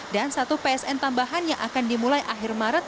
dan satu psn tambahan yang akan dimulai akhir maret